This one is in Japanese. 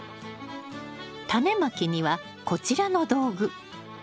タネまきにはこちらの道具。